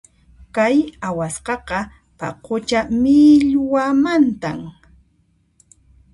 Kay awasqaqa paqucha millwamantam.